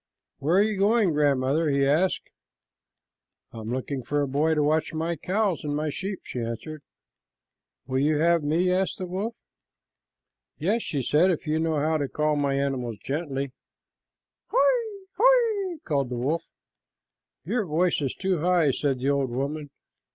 "Where are you going, grandmother?" he asked. "I am looking for a boy to watch my cows and my sheep," she answered. "Will you have me?" asked the wolf. "Yes," she said, "if you know how to call my animals gently." "Ho y, ho y," called the wolf. "Your voice is too high," said the old woman.